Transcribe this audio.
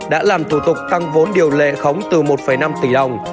đã làm thủ tục tăng vốn điều lệ khống từ một năm tỷ đồng